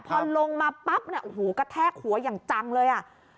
พอลงมาปั๊บกระแทกหัวอย่างจังเลยอ่ะ